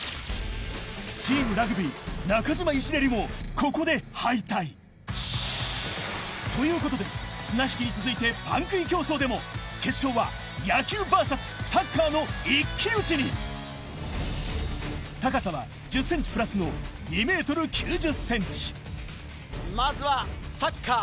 チームラグビー中島イシレリもここで敗退ということで綱引きに続いてパン食い競争でも決勝は野球ｖｓサッカーの一騎打ちに高さは１０ｃｍプラスのまずはサッカー。